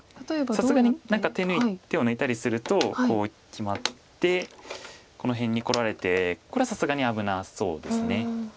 さすがに何か手を抜いたりするとこう決まってこの辺にこられてこれはさすがに危なそうです。